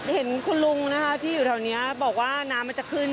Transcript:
เห็นคุณลุงนะคะที่อยู่แถวนี้บอกว่าน้ำมันจะขึ้น